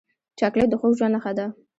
چاکلېټ د خوږ ژوند نښه ده.